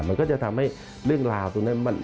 มันก็จะทำให้เรื่องราวตรงนั้น